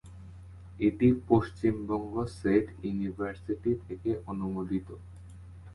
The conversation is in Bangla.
এটি পশ্চিমবঙ্গ স্টেট ইউনিভার্সিটি থেকে অনুমোদিত।